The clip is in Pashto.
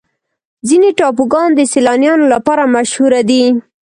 ځینې ټاپوګان د سیلانیانو لپاره مشهوره دي.